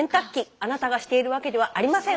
あなたがしているわけではありません！